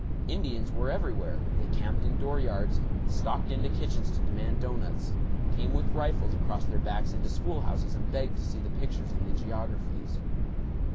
Indians were everywhere; they camped in dooryards, stalked into kitchens to demand doughnuts, came with rifles across their backs into schoolhouses and begged to see the pictures in the geographies.